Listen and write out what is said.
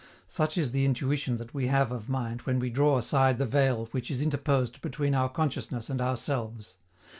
Such is the intuition that we have of mind when we draw aside the veil which is interposed between our consciousness and ourselves.